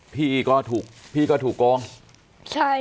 พี่ก็ถูกพี่ก็ถูกโกงใช่